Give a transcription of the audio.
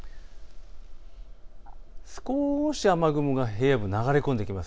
少し雨雲が平野部に流れ込んできます。